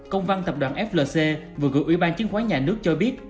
công văn tập đoàn flc vừa gửi ủy ban chứng khoán nhà nước cho biết